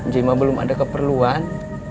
jema belum ada keperluan